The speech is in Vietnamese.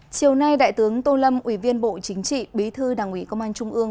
chiều nay đại tướng tô lâm ủy viên bộ chính trị bí thư đảng ủy công an trung ương